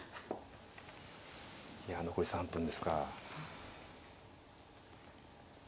いや残り３分ですか。